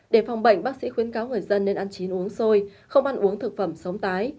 để phòng bệnh bác sĩ khuyến cáo người dân nên ăn chín uống xôi không ăn uống thực phẩm sống tái